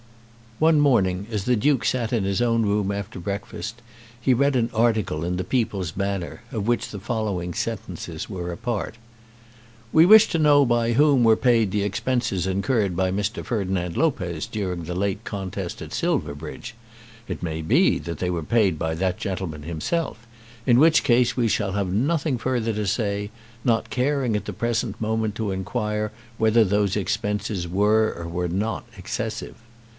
One morning as the Duke sat in his own room after breakfast he read an article in the "People's Banner," of which the following sentences were a part. "We wish to know by whom were paid the expenses incurred by Mr. Ferdinand Lopez during the late contest at Silverbridge. It may be that they were paid by that gentleman himself, in which case we shall have nothing further to say, not caring at the present moment to inquire whether those expenses were or were not excessive.